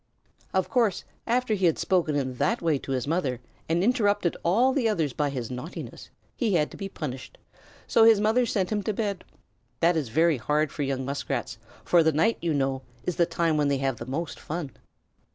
Of course, after he had spoken in that way to his mother and interrupted all the others by his naughtiness, he had to be punished, so his mother sent him to bed. That is very hard for young Muskrats, for the night, you know, is the time when they have the most fun.